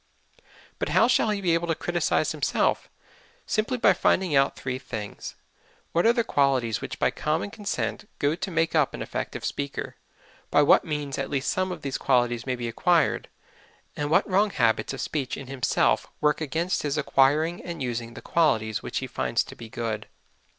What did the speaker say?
But how shall he be able to criticise himself? Simply by finding out three things: What are the qualities which by common consent go to make up an effective speaker; by what means at least some of these qualities may be acquired; and what wrong habits of speech in himself work against his acquiring and using the qualities which he finds to be good.